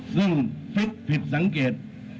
ซึ่งฟิตผิดสังเกต